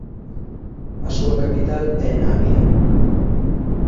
A súa capital é Navia.